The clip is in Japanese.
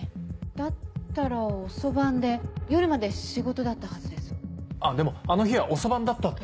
だったら遅番で夜まで仕事だったはずでもあの日は遅番だったって。